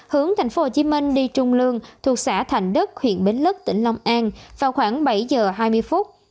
hướng tp hcm đi trung lương thuộc xã thành đức huyện bến lức tỉnh long an vào khoảng bảy giờ hai mươi phút